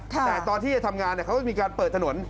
แต่ตอนที่จะทำงานเขาก็มีการเปิดถนน